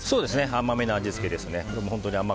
甘めの味付けですね。